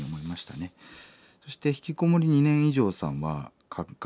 そしてひきこもり２年以上さんは感覚